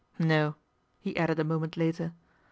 " No," he added a moment later.